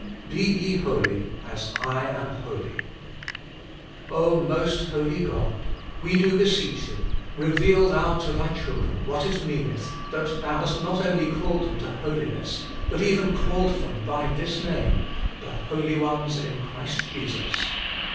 BE YE HOLY, AS I AM HOLY. Most Holy God ! we do beseech Thee, reveal Thou to Thy children what it meaneth that Thou hast not only called them to holiness, but even called them by this name, ' the holy ones in Christ Jesus.'